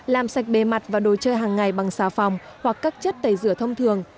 làm sạch bề mặt và đồ chơi hàng ngày bằng xà phòng hoặc các chất tẩy rửa thông thường